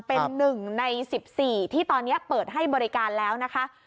เป็น๑ใน๑๔ที่ตอนนี้เปิดให้บริการแล้วนะคะ